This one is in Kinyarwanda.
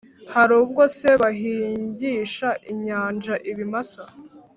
hari ubwo se bahingisha inyanja ibimasa,